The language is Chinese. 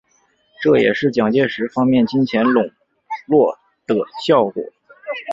这也是蒋介石方面金钱拢络的效果。